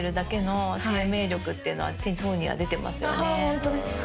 ホントですか。